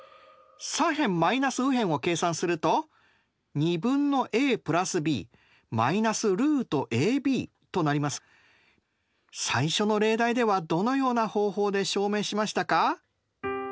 −を計算すると最初の例題ではどのような方法で証明しましたか？